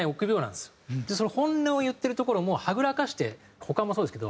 でその本音を言ってるところもはぐらかして他もそうですけど。